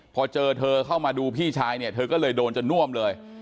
พอเจอเธอเข้ามาดูพี่ชายเนี่ยเธอก็เลยโดนจนน่วมเลย